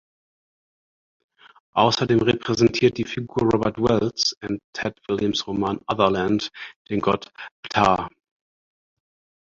Außerdem repräsentiert die Figur Robert Wells in Tad Williams' Roman Otherland den Gott Ptah.